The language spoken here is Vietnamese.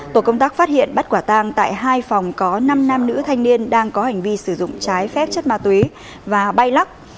tổ công tác phát hiện bắt quả tang tại hai phòng có năm nam nữ thanh niên đang có hành vi sử dụng trái phép chất ma túy và bay lắc